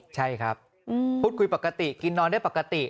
ใช่ครับพูดคุยปกติกินนอนได้ปกติ